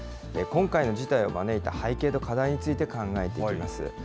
今回の事態を招いた背景と課題について考えていきます。